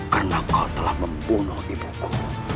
karena kau telah membunuh ibuku